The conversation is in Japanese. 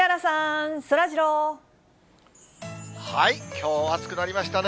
きょうは暑くなりましたね。